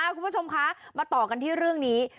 คุณผู้ชมคะมาต่อกันที่เรื่องนี้